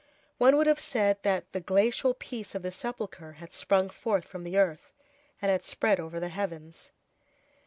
One would have said that the glacial peace of the sepulchre had sprung forth from the earth and had spread over the heavens.